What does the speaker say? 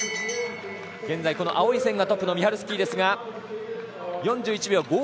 現在、青い線がトップのミハルスキーですが４１秒５５。